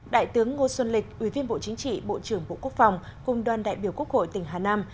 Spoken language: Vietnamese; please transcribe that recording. đại tướng ngô xuân lịch ủy viên bộ chính trị bộ trưởng bộ quốc phòng cùng đoàn đại biểu quốc hội tỉnh hà nam